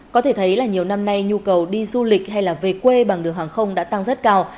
có thể thấy là nhiều năm nay nhu cầu đi du lịch hay là về quê bằng đường hàng không đã tăng rất cao